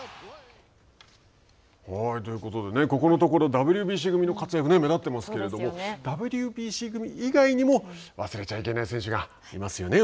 ということで、ここのところＷＢＣ組の活躍が目立ってますけどもＷＢＣ組以外にも、忘れちゃいけない選手がいますよね